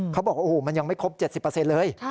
เขาบอกโอ้โหมันยังไม่ครบ๗๐เลย